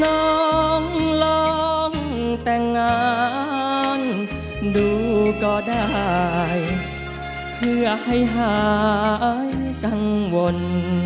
ลองลองแต่งงานดูก็ได้เพื่อให้หายกังวล